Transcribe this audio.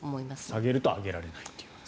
下げると上げられないと。